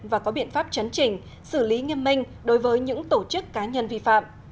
và có biện pháp chấn chỉnh xử lý nghiêm minh đối với những tổ chức cá nhân vi phạm